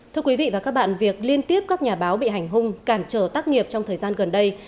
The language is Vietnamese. thưa quý vị và các bạn việc liên tiếp các nhà báo bị hành hung cản trở tác nghiệp trong thời gian gần đây